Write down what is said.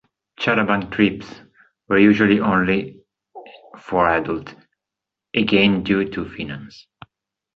"Charabanc trips" were usually only for adults, again due to finance.